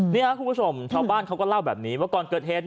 นี่ครับคุณผู้ชมชาวบ้านเขาก็เล่าแบบนี้ว่าก่อนเกิดเหตุ